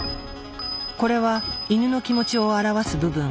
これはイヌの気持ちを表す部分。